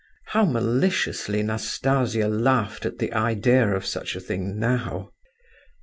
How maliciously Nastasia laughed at the idea of such a thing, now!